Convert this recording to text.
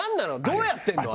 どうやってるの？